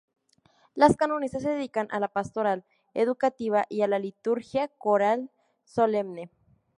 Las canonesas se dedican a la pastoral educativa y a la liturgia coral solemne.